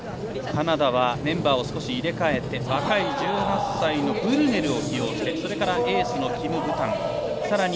カナダはメンバーを少し入れ替えて若い１８歳のブルネルを起用してそれからエースのキム・ブタン。